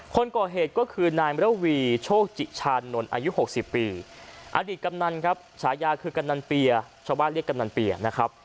คนก่อเหตุก็คือนายมรวีโชคจิชานนท์อายุ๖๐ปีอดีตกำนันครับฉายาคือกำนันเปียชาวบ้านเรียกกำนันเปียนะครับ